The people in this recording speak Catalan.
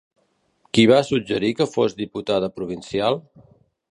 Qui va suggerir que fos diputada provincial?